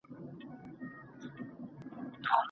د ویني فشار څنګه کنټرول کیدلای سي؟